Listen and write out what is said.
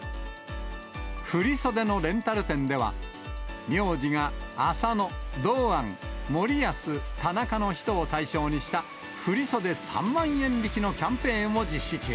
振り袖のレンタル店では、名字が浅野、堂安、森保、田中の人を対象にした振り袖３万円引きのキャンペーンを実施中。